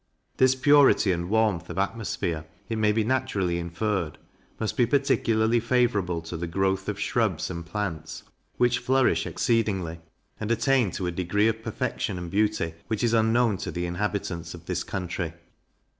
This purity and warmth of atmosphere, it may be naturally inferred, must be particularly favourable to the growth of shrubs and plants, which flourish exceedingly, and attain to a degree of perfection and beauty which is unknown to the inhabitants of this country.